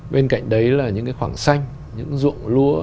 bên cạnh đấy là những cái khoảng xanh những ruộng lúa